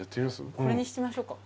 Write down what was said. これにしましょうか。